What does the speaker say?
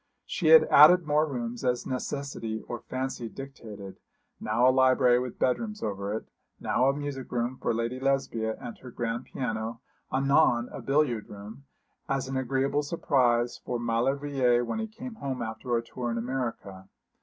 She had added more rooms as necessity or fancy dictated, now a library with bedrooms over it, now a music room for Lady Lesbia and her grand piano anon a billiard room, as an agreeable surprise for Maulevrier when he came home after a tour in America.